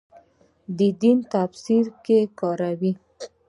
دین تفسیر کې کاروي.